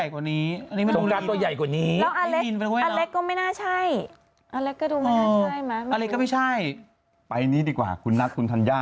คนเก่งเก่งน่าจะดีน่ะเธอเนอะ